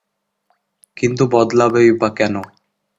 কিন্তু বদলাবেই বা কেন।